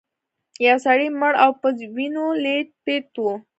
یو سړی مړ و او په وینو لیت پیت و.